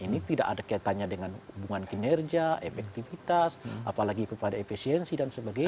ini tidak ada kaitannya dengan hubungan kinerja efektivitas apalagi kepada efisiensi dan sebagainya